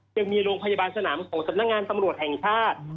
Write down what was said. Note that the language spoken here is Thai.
ยังมีโรงพยาบาลสนามของสำนักงานตำรวจแห่งชาติ